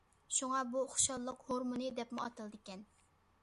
شۇڭا بۇ« خۇشاللىق ھورمۇنى» دەپمۇ ئاتىلىدىكەن.